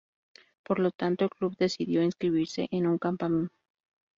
Por lo tanto, el club decidió inscribirse en un campeonato juvenil.